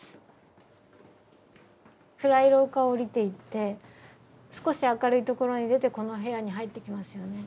暗い廊下を下りていって少し明るいところに出てこの部屋に入ってきますよね。